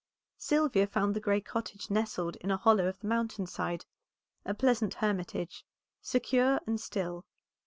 Sylvia found the gray cottage nestled in a hollow of the mountain side; a pleasant hermitage, secure and still.